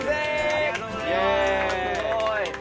ありがとうございますすごい。